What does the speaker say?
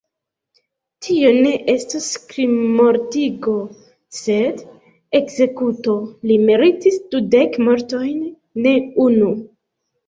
Tio ne estos krimmortigo, sed ekzekuto: li meritis dudek mortojn, ne unu.